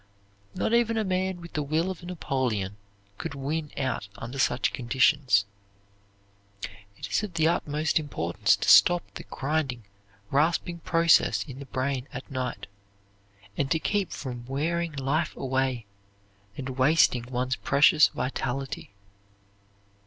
Not even a man with the will of a Napoleon could win out under such conditions. It is of the utmost importance to stop the grinding, rasping process in the brain at night and to keep from wearing life away and wasting one's precious vitality.